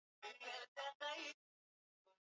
moto na upanuzi wa kilimo inaonyesha ni kiasi gani